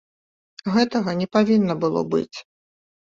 Гэтага не павінна было быць.